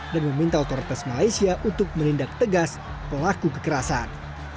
dan meminta otoritas malaysia untuk menindak tegas pelaku kekerasan